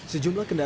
hai apa kabar